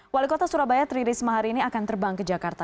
wali kota surabaya tri risma hari ini akan terbang ke jakarta